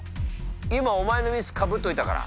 今お前のミスかぶっといたから。